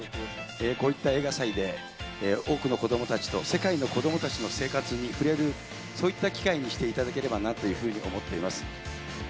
こういった映画祭で、多くの子どもたちと世界の子どもたちの生活に触れる、そういった機会にしていただければなと思っています。